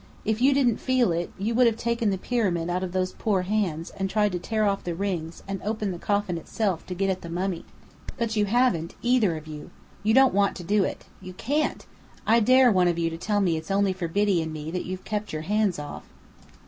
If you didn't feel it, you would have taken the pyramid out of those poor hands, and tried to tear off the rings, and open the coffin itself, to get at the mummy. But you haven't either of you. You don't want to do it. You can't! I dare one of you to tell me it's only for Biddy and me that you've kept your hands off."